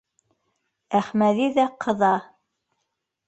Әхмәҙи ҙә ҡыҙа: